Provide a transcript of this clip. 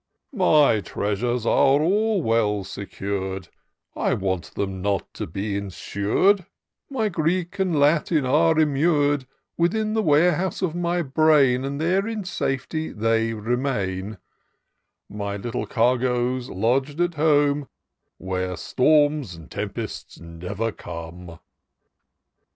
My treasures are all well secur'd, I want them not to be insur'd : My Greek and Latin are immur'd Within the warehouse of my brain. And there in safety they remain : 332 TOUR OF DOCTOR SYNTAX My little cargo's lodg'd at home. Where storms and tempests never come.